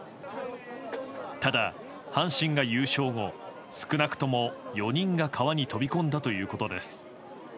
ただ阪神が優勝後、少なくとも４人が川に飛び込んだということです。